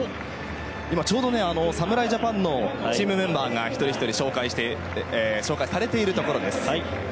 ちょうど侍ジャパンのチームメンバーが一人ひとり紹介されているところです。